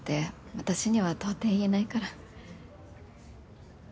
私には到底言えないから。